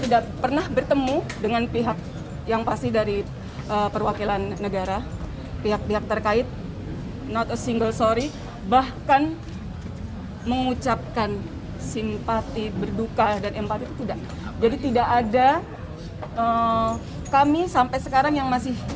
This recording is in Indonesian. tidak pernah ada bertemu dari pihaknya dari kemenkes bepong